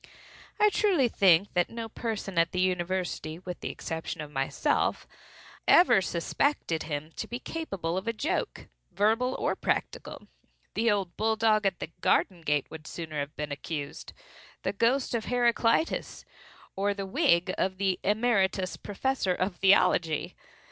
I truly think that no person at the university, with the exception of myself, ever suspected him to be capable of a joke, verbal or practical:—the old bull dog at the garden gate would sooner have been accused,—the ghost of Heraclitus,—or the wig of the Emeritus Professor of Theology.